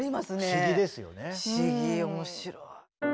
不思議面白い。